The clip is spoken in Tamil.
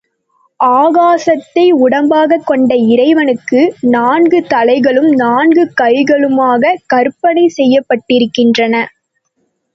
ஆகாசத்தை உடம்பாகக் கொண்ட இறைவனுக்கு நான்கு தலைகளும், நான்கு கைகளுமாக கற்பனை செய்யப்பட்டிருக்கின்றன.